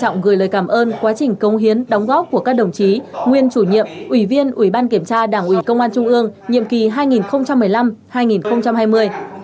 nguyên chủ nhiệm ủy viên ủy ban kiểm tra đảng ủy công an trung ương nhiệm kỳ hai nghìn một mươi năm hai nghìn hai mươi